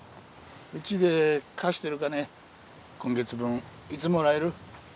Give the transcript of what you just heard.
うちで貸してる金今月分いつもらえる？